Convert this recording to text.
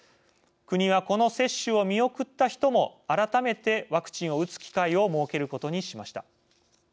国は、この接種を見送った人も改めてワクチンを打つ機会を設けることにしました。